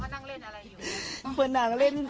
พ้นนะทรงผากพ้นนะ